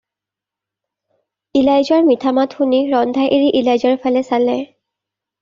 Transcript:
ইলাইজাৰ মিঠা মাত শুনি ৰন্ধা এৰি ইলাইজাৰ ফালে চালে।